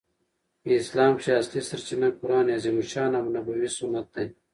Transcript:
په اسلام کښي اصلي سرچینه قران عظیم الشان او نبوي سنت ده.